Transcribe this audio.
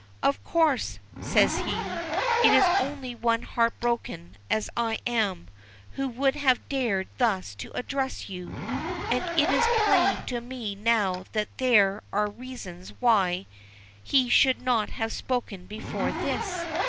"Of course," says he, "it is only one heartbroken, as I am, who would have dared thus to address you. And it is plain to me now that there are reasons why he should not have spoken before this.